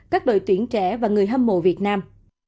các đội tuyển trẻ và người hâm mộ việt nam